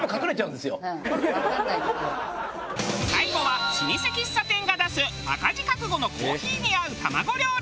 最後は老舗喫茶店が出す赤字覚悟のコーヒーに合う卵料理。